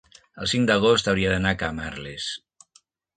el cinc d'agost hauria d'anar a Camarles.